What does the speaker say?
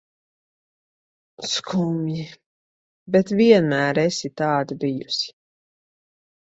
Skumji, bet vienmēr esi tāda bijusi.